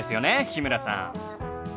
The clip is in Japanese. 日村さん。